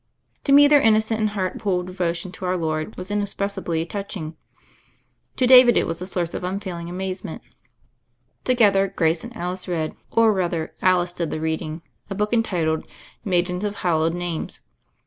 To me their* innocent and heart whole devo tion to Our Lord was inexpressibly touching; to David it was a source of unfailing amaze ment. Together, Grace and Alice read — or, rather, Alice did the reading — a book entitled '^Maidens of Hallowed Names."